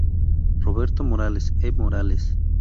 Roberto Morales, E Morales.